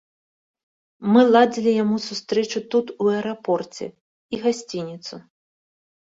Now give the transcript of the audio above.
Мы ладзілі яму сустрэчу тут у аэрапорце і гасцініцу.